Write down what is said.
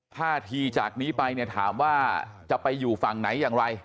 ท่าทีจากนี้ไปเนี่ยถามว่าจะไปอยู่ฝั่งไหนอย่างไร